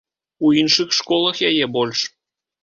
У іншых школах яе больш.